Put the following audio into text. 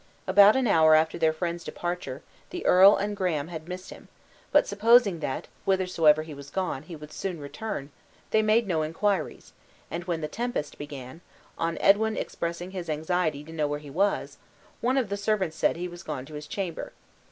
About an hour after their friend's departure, the earl and Graham had missed him; but supposing that, whithersoever he was gone, he would soon return, they made no inquiries; and when the tempest began, on Edwin expressing his anxiety to know where he was, one of the servants said he was gone to his chamber.